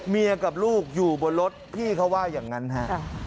กับลูกอยู่บนรถพี่เขาว่าอย่างนั้นฮะ